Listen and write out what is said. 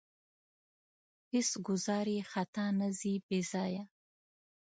هېڅ ګوزار یې خطا نه ځي بې ځایه.